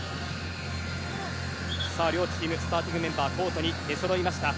両チームスターティングメンバーがコートに出そろいました。